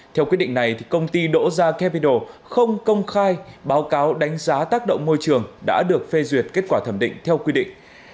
theo quyết định này công ty doja capital không công khai báo cáo đánh giá tác động môi trường đã được phê duyệt kết quả thẩm định theo quy định